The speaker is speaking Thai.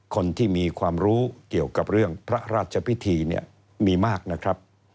คนที่มีความรู้เกี่ยวกับเรื่องพระราชพิธีเนี่ยมีมากนะครับ